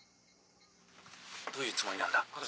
どういうつもりなんだ？